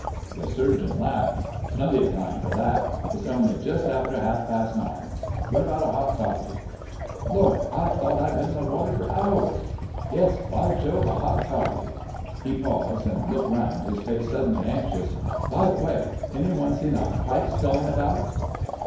The Surgeon laughed. "Plenty of time for that: it's only just after half past nine. What about a hot toddy?" "Lord! I thought I'd been in the water for hours.... Yes, by Jove! a hot toddy——" He paused and looked round, his face suddenly anxious. "By the way, ... 'any one seen a pipe sculling about...?"